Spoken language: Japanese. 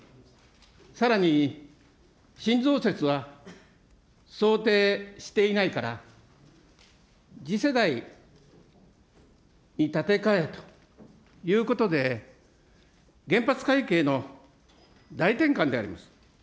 さらに、新増設は想定していないから、次世代に建て替えるということで、原発かいけいの大転換であります。